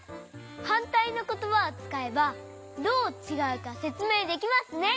はんたいのことばをつかえばどうちがうかせつめいできますね。